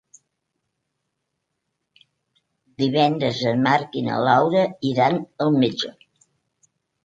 Divendres en Marc i na Laura iran al metge.